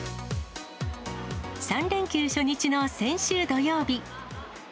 ３連休初日の先週土曜日。